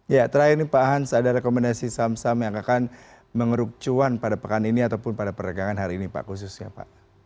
ya terakhir nih pak hans ada rekomendasi saham saham yang akan mengeruk cuan pada pekan ini ataupun pada perdagangan hari ini pak khususnya pak